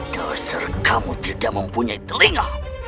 dasar kamu tidak mempunyai telinga